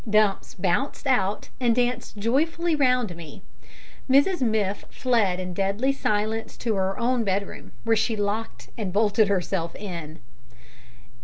Dumps bounced out, and danced joyfully round me. Mrs Miff fled in deadly silence to her own bedroom, where she locked and bolted herself in.